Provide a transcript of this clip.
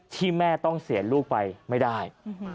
ที่แม่ต้องเสียลูกไปไม่ได้